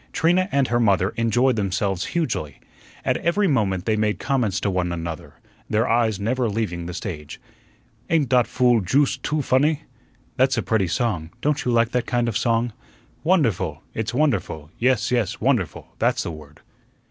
Trina and her mother enjoyed themselves hugely. At every moment they made comments to one another, their eyes never leaving the stage. "Ain't dot fool joost too funny?" "That's a pretty song. Don't you like that kind of a song?" "Wonderful! It's wonderful! Yes, yes, wonderful! That's the word."